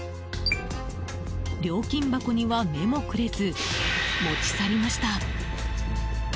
料金箱には目もくれず持ち去りました。